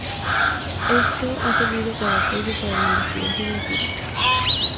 Esto ha servido como apoyo para la investigación empírica.